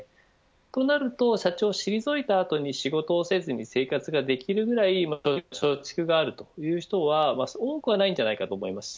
となると、社長を退いた後に仕事をせずに生活ができるくらい貯蓄があるという人はそう多くはないと思います。